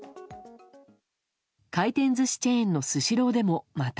回転寿司チェーンのスシローでもまた。